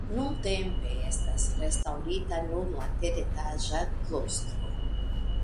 Nuntempe estas restaŭrita nur la teretaĝa klostro.